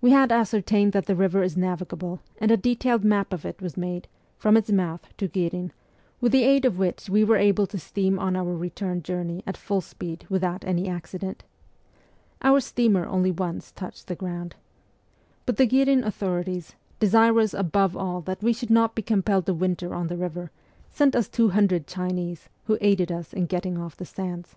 We had ascertained that the river is navigable, and a detailed map of it was made, from its mouth to Ghirin, with the aid of which w r e were able to steam on our return journey at full speed without any accident. Our steamer only once touched the ground. But the Ghirin authorities, desirous above all that w T e should not be compelled to winter on the river, sent us two hundred Chinese, who aided us in getting off the sands.